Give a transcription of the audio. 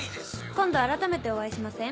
「今度改めてお会いしません？